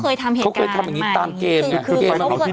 คือเขาเคยทำเหตุการณ์มาอย่างนี้